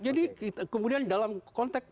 jadi kemudian dalam konteks